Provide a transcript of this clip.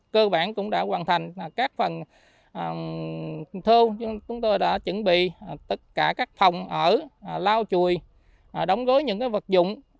cơ bản cũng đã hoàn thành các phần thô chúng tôi đã chuẩn bị tất cả các phòng ở lau chùi đóng gói những vật dụng